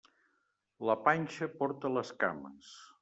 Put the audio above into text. La panxa porta les cames.